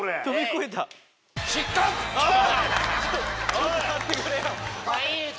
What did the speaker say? ちょっと待ってくれよ。